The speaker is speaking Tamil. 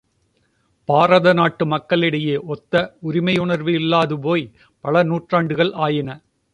பாரத நாட்டு மக்களிடையே ஒத்த உரிமையுணர்வு இல்லாது போய் பல நூற்றாண்டுகள் ஆயின.